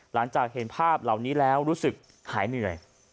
หลังจากเห็นภาพเหล่านี้แล้วรู้สึกหายเหนื่อย